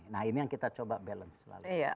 nah ini yang kita coba balance selalu